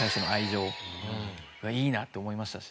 いいなって思いましたし。